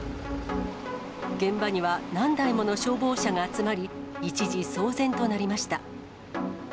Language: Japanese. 現場には何台もの消防車が集まり、一時、騒然となりました。